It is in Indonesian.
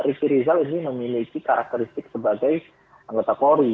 riki rizal ini memiliki karakteristik sebagai anggota polri